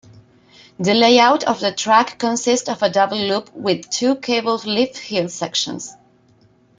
The layout of the track consists of a double-loop with two cable lift-hill sections.